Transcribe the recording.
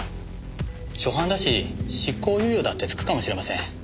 初犯だし執行猶予だってつくかもしれません。